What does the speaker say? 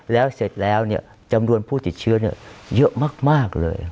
แล้วเสร็จแล้วเนี่ยจำนวนผู้ติดเชื้อเนี่ยเยอะมาก